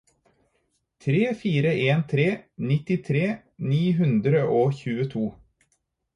tre fire en tre nittitre ni hundre og tjueto